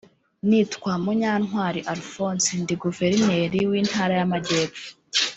Nitwa Munyantwali Alphonse ndi Guverineri w’Intara y’Amajyepfo